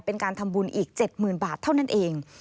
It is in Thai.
เป็นการทำบุญอีก๗๐๐๐บาทเท่านั้นเอง